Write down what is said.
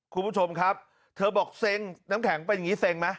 คุณผู้ชมครับเธอบอกเซ็งน้ำแข็งเป็นอย่างนี้เซ็งไหม